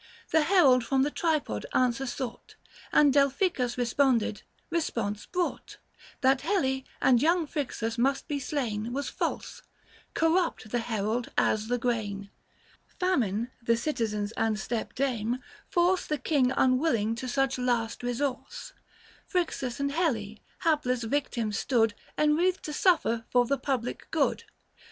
The herald from the tripod answer sought, And Delphicus responded: resjDonse brought, 915 That Helle and young Phryxus must be slain Was false ; corrupt the herald as the grain. Famine, the citizens and stepdame, force The king unwilling to such last resource ; Phryxus and Helle, hapless victims stood 920 Enwreathed to suffer for the public good.